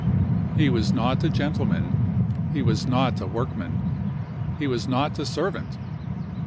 He was not a gentleman; he was not a workman; he was not a servant.